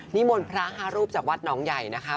นิมนต์พระ๕รูปจากวัดหนองใหญ่นะคะ